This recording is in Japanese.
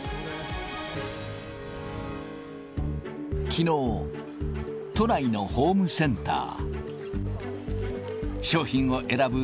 きのう、都内のホームセンター。